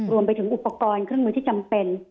รวมไปถึงอุปกรณ์เครื่องมือที่จำเป็น